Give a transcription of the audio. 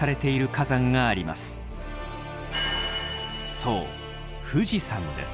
そう富士山です。